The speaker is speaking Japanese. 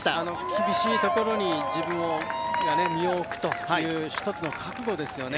厳しいところに自分が身を置くという一つの覚悟ですよね。